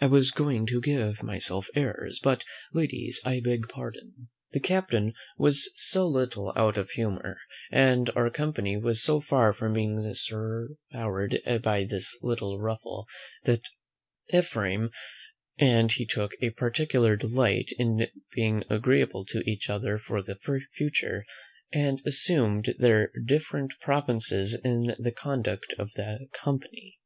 I was going to give myself airs, but, ladies, I beg pardon." The captain was so little out of humour, and our company was so far from being soured by this little ruffle, that Ephraim and he took a particular delight in being agreeable to each other for the future; and assumed their different provinces in the conduct of the company.